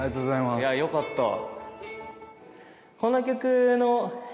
いやよかったわ。